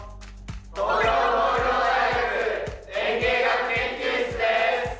東京農業大学園芸学研究室です！